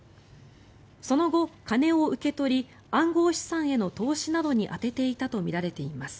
その後、金を受け取り暗号資産への投資などに充てていたとみられています。